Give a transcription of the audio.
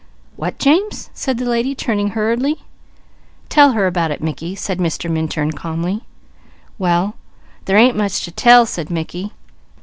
_" "What, James?" said the lady, turning hurriedly. "Tell her about it, Mickey," said Mr. Minturn calmly. "Well there ain't much to tell," said Mickey.